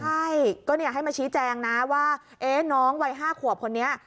ใช่ก็ให้มาชี้แจงนะว่าน้องวัย๕ขวบคนนี้